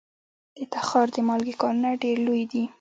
د تخار د مالګې کانونه ډیر لوی دي